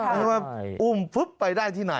ใช่อุ่มฟึ๊บไปได้ที่ไหน